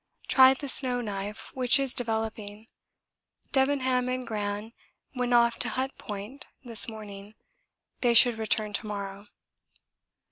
Tried the snow knife, which is developing. Debenham and Gran went off to Hut Point this morning; they should return to morrow.